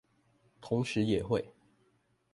同時也會